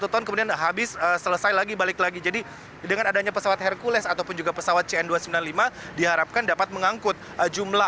satu ton kemudian habis selesai lagi balik lagi jadi dengan adanya pesawat hercules ataupun juga pesawat cn dua ratus sembilan puluh lima diharapkan dapat mengangkut jumlah